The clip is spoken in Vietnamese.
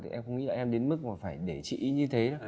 em không nghĩ là em đến mức mà phải để chị ấy như thế